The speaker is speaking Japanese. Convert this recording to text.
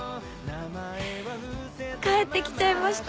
帰って来ちゃいました。